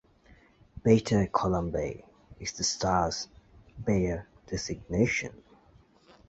"Beta Columbae" is the star's Bayer designation.